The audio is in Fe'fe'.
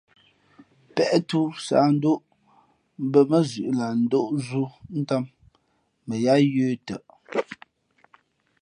Pěʼtū sáhndóʼ mbᾱ mα zʉ̌ʼ lah ndóʼ zú ntām mα yāā yə̄ tαʼ.